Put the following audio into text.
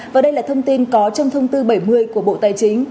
và đây là thông tin có trong thông tư bảy mươi của bộ tài chính